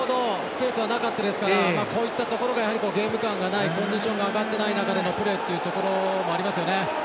こういったところがゲーム勘がないコンディションが上がっていない中でのプレーというところもありましたよね。